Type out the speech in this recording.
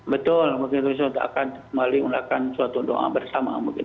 betul mungkin besok akan kembali melakukan suatu doa bersama